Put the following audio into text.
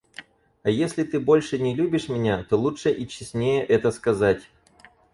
А если ты больше не любишь меня, то лучше и честнее это сказать.